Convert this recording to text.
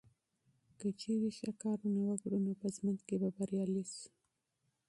که چیرې نیک کارونه وکړو نو په ژوند کې به بریالي شو.